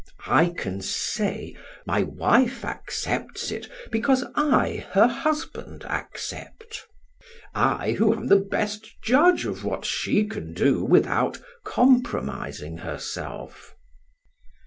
I can say: 'My wife accepts it because I, her husband, accept' I, who am the best judge of what she can do without compromising herself."